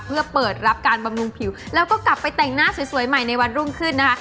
เพื่อเปิดรับการบำรุงผิวแล้วก็กลับไปแต่งหน้าสวยใหม่ในวันรุ่งขึ้นนะคะ